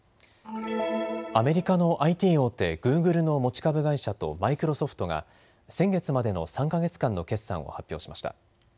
アメリカのＩＴ大手、グーグルの持ち株会社とマイクロソフトが先月までの３か月間の決算を発表しました。